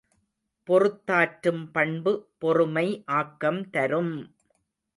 பொறுத்தாற்றும் பண்பு பொறுமை ஆக்கம் தரும்!